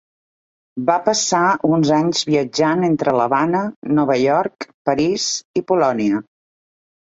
Va passar uns anys viatjant entre l'Havana, Nova York, París i Polònia.